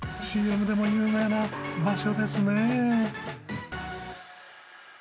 ＣＭでも有名な場所ですね。